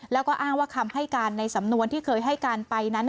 แล้วก็อ้างว่าคำให้การในสำนวนที่เคยให้การไปนั้น